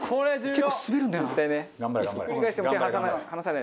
結構滑るんだよな。